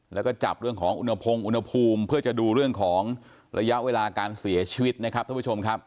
แล้วก็จับเรื่องของอุณหภูมิเพื่อจะดูเรื่องของระยะเวลาการเสียชีวิตนะครับท่านผู้ชมครับ